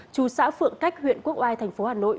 chú xã phượng cách huyện quốc oai thành phố hà nội